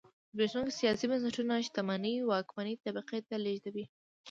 زبېښونکي سیاسي بنسټونه شتمنۍ واکمنې طبقې ته لېږدوي.